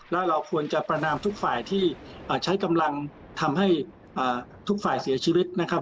แล้วเราควรจะประนามทุกฝ่ายที่ใช้กำลังทำให้ทุกฝ่ายเสียชีวิตนะครับ